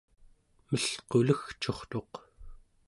melqulegcurtuq